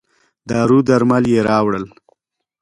دارو درمل یې راووړل.